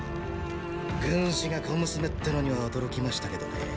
軍師が小娘ってのには驚きましたけどね。